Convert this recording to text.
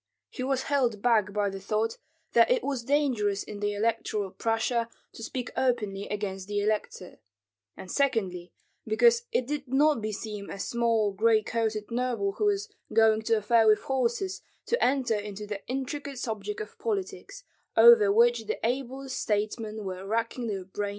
He was held back by the thought that it was dangerous in Electoral Prussia to speak openly against the elector; and secondly, because it did not beseem a small gray coated noble who was going to a fair with horses, to enter into the intricate subject of politics, over which the ablest statesmen were racking their brains to no purpose.